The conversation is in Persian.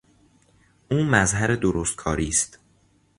او مظهر درستکاری است.